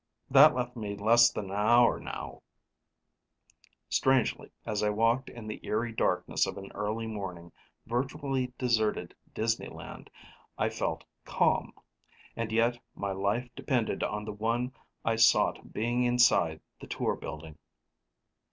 That left me less than an hour, now; strangely, as I walked in the eerie darkness of an early morning, virtually deserted Disneyland, I felt calm. And yet, my life depended on the one I sought being inside the Tour building.